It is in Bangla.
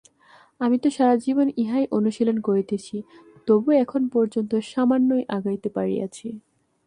আমি তো সারাজীবন ইহাই অনুশীলন করিতেছি, তবু এখন পর্যন্ত সামান্যই আগাইতে পারিয়াছি।